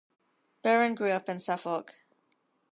Barran grew up in Suffolk.